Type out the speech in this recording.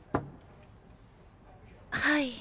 はい。